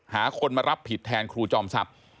หาคนมารับผิดแทนครูจอมทรัพย์